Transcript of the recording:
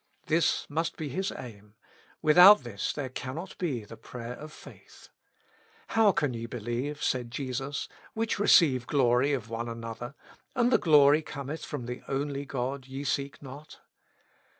This must be his aim : without this there cannot be the prayer of faith. "How can ye believe," said Jesus, "which receive glory of one another, and the glory that cometh from the only God ye seek not